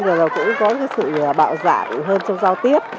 và cũng có sự bạo dạng hơn trong giao tiếp